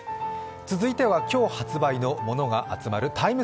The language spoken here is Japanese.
続いては今日発売の物が集まるＴＩＭＥ